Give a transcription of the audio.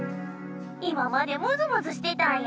今までムズムズしてたんや。